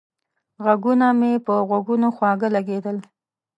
غږونه مې په غوږونو خواږه لگېدل